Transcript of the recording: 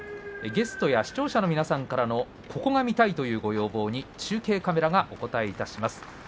ゲストや視聴者からのここが見たいというご要望に中継カメラがお応えいたします。